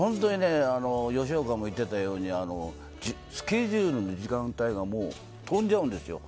吉岡も言ってたようにスケジュールの時間帯が飛んじゃうんですよ。